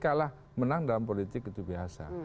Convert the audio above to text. kalah menang dalam politik itu biasa